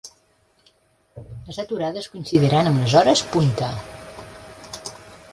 Les aturades coincidiran amb les hores punta.